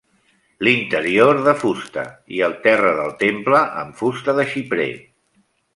L'interior de fusta, i el terra del temple amb fusta de xiprer.